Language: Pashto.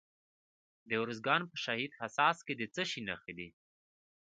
د ارزګان په شهید حساس کې د څه شي نښې دي؟